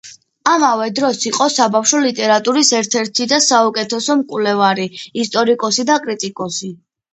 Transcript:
ამავე დროს იყო საბავშვო ლიტერატურის ერთ-ერთი და საუკეთესო მკვლევარი, ისტორიკოსი და კრიტიკოსი.